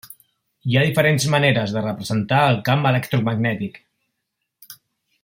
Hi ha diferents maneres de representar el camp electromagnètic.